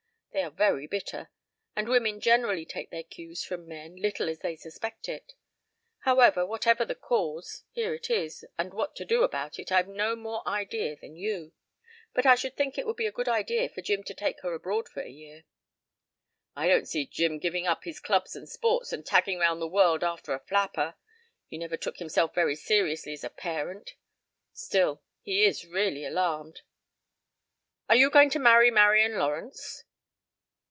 They are very bitter. And women generally take their cues from men, little as they suspect it. However, whatever the cause, here it is, and what to do about it I've no more idea than you; but I should think it would be a good idea for Jim to take her abroad for a year." "I don't see Jim giving up his clubs and sports, and tagging round the world after a flapper. He never took himself very seriously as a parent ... still, he is really alarmed. ... Are you going to marry Marian Lawrence?"